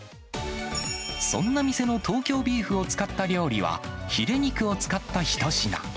そんな店の東京ビーフを使った料理は、ヒレ肉を使った一品。